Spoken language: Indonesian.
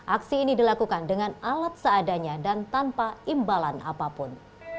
aksi ini dilakukan dengan alat seadanya dan tanpa imbalan apapun